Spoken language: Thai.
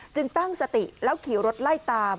ตั้งสติแล้วขี่รถไล่ตาม